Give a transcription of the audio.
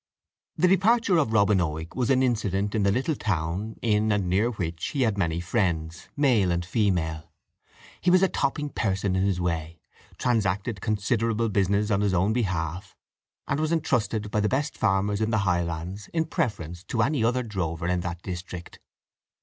The departure of Robin Oig was an incident in the little town, in and near which he had many friends, male and female. He was a topping person in his way, transacted considerable business on his own behalf, and was entrusted by the best farmers in the Highlands, in preference to any other drover in that district.